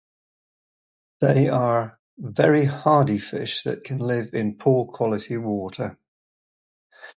They are very hardy fish that can live in poor quality water.